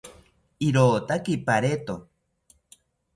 Irotaki pareto